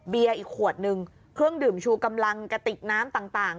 อีกขวดนึงเครื่องดื่มชูกำลังกระติกน้ำต่าง